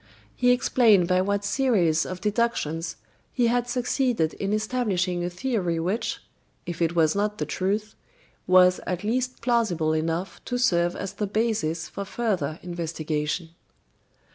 He explained by what series of deductions he had succeeded in establishing a theory which, if it was not the truth, was at least plausible enough to serve as the basis for further investigation.